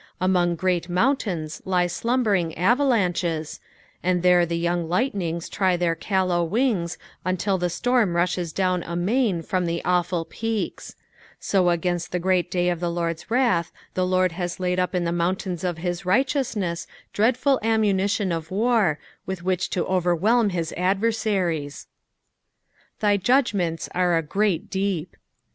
Among great mountains lie slumbering avalanches, and there the young lightnings try their callow wings until the storm rushes down amain from the awful peaks ; so a^inst the jfreat day of the Lord's wrath the Lord has laid up in the mountains of his righteousness dreadful ammunition of war with which to overwhelm hia adversaries. " I^y judgment* are a great deep."